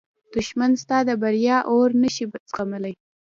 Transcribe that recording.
دښمن ستا د بریا اور نه شي زغملی